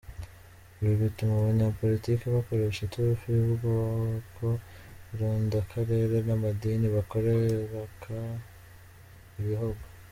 Ibi bituma abanyapolitiki bakoresha iturufu y’ubwoko, irondakarere n’amadini bakoreka ibihugu”.